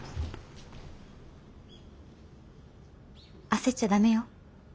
焦っちゃ駄目よ。